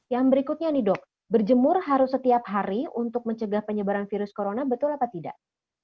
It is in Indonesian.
yang berikutnya nih dok berjemur harus setiap hari untuk mencegah penyebaran virus corona betul apa tidak